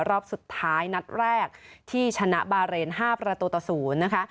รอบสุดท้ายนัดแรกที่ชนะบาเรน๕ประตูต่อ๐นะคะ